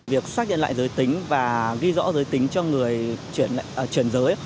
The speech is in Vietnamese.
việc xác nhận lại giới tính và ghi rõ giới tính cho người chuyển giới